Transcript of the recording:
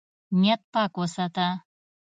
نیت پاک وساته.